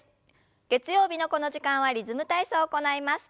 月曜日のこの時間は「リズム体操」を行います。